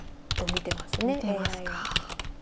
見てますか。